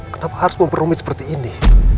kenapa harus memperumit seperti ini